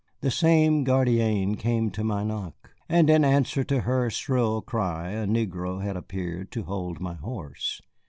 The same gardienne came to my knock, and in answer to her shrill cry a negro lad appeared to hold my horse.